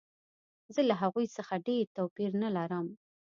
زه له هغوی څخه ډېر توپیر نه لرم